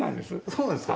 そうなんですか。